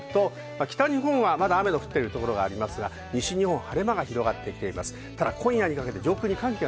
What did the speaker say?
北日本は雨の降っているところがありますが、西日本は晴れ間が広がってきています。